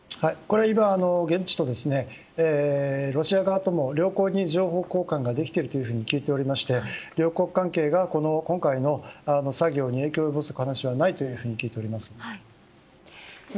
現地とロシア側とも良好に情報交換ができていると聞いていまして両国の関係が今回の作業に影響を及ぼす話はないと聞いています。